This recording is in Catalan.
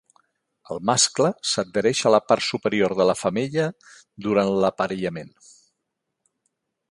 El mascle s'adhereix a la part superior de la femella durant l'aparellament.